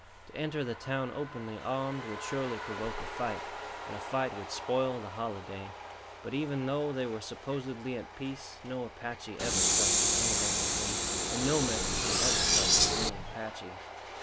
To enter the town openly armed would surely provoke a fight, and a fight would spoil the holiday. But even though they were supposedly at peace, no Apache ever trusted any Mexican and no Mexican ever trusted any Apache.